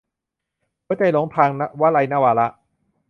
หัวใจหลงทาง - วลัย นวาระ